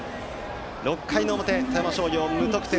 ６回の表、富山商業は無得点。